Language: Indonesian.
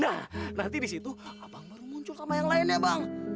nah nanti disitu abang baru muncul sama yang lainnya bang